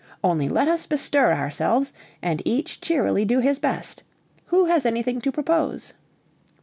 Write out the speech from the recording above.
Only let us bestir ourselves, and each cheerily do his best. Who has anything to propose?"